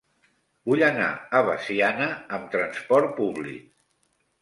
Vull anar a Veciana amb trasport públic.